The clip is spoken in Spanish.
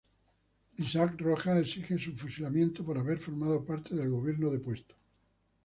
Isaac Rojas exige su fusilamiento por haber formado parte del gobierno depuesto.